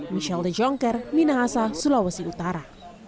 michelle de jongker minahasa sulawesi utara